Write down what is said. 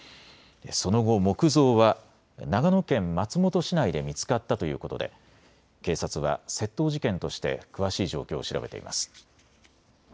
その後、木像は長野県松本市内で見つかったということで警察は窃盗事件として詳しい状況を調べています。